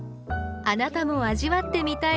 あなたも味わってみたい